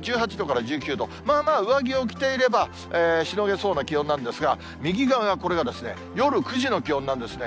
１８度から１９度、まあまあ上着を着ていればしのげそうな気温なんですが、右側が、これが夜９時の気温なんですね。